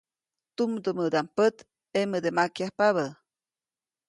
Tumdumädaʼm pät ʼemäde makyajpabä.